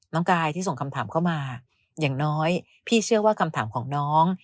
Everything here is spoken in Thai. กายที่ส่งคำถามเข้ามาอย่างน้อยพี่เชื่อว่าคำถามของน้อง